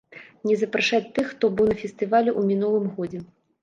Не запрашаць тых, хто быў на фестывалі ў мінулым годзе.